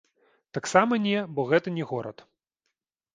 Таксама не, бо гэта не горад.